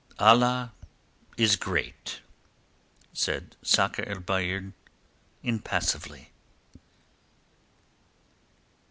"Allah is great!" said Sakr el Bahr impassively.